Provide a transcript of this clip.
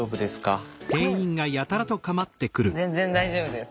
全然大丈夫です。